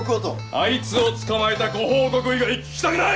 あいつを捕まえたご報告以外聞きたくない‼